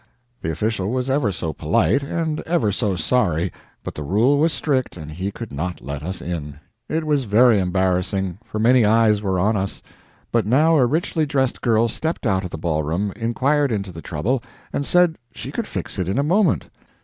The official was ever so polite, and ever so sorry, but the rule was strict, and he could not let us in. It was very embarrassing, for many eyes were on us. But now a richly dressed girl stepped out of the ballroom, inquired into the trouble, and said she could fix it in a moment.